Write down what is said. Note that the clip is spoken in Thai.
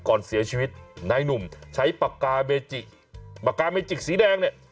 ก่อนเสียชีวิตนายหนุ่มใช้ปากกาเบจิปากกาเมจิกสีแดงเนี่ย